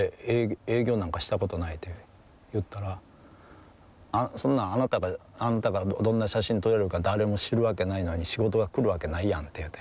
営業なんかした事ない」って言ったら「あなたがどんな写真撮れるか誰も知るわけないのに仕事が来るわけないやん」って言われて。